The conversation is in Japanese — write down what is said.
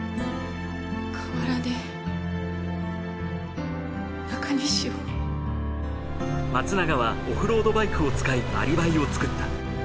河原で中西を松永はオフロードバイクを使いアリバイを作った。